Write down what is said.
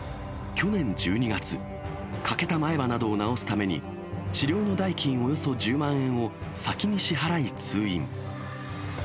去年１２月、欠けた前歯などを治すために、治療の代金およそ１０万円を先に支払い通院。